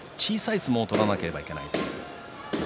もっと小さな相撲を取らなければいけない。